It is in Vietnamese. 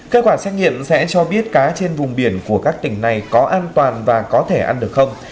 kết quả xét nghiệm sẽ cho biết cá trên vùng biển của các tỉnh này có an toàn và có thể ăn được không